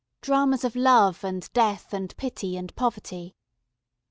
Dramas of love and death and pity and poverty.